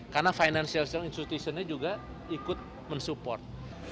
karena financial institutionnya juga ikut mensupport